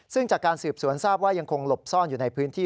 ซึ่งจากการสืบสวนทราบว่ายังคงหลบซ่อนอยู่ในพื้นที่